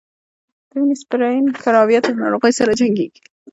د وینې سپین کرویات له ناروغیو سره جنګیږي